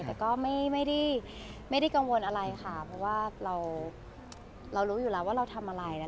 แต่ก็ไม่ได้กังวลอะไรค่ะเพราะว่าเรารู้อยู่แล้วว่าเราทำอะไรนะคะ